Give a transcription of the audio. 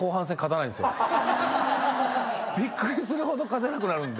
びっくりするほど勝てなくなるんで。